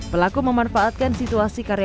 pelaku memanfaatkan situasi karirnya